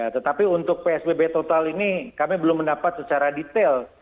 tetapi untuk psbb total ini kami belum mendapat secara detail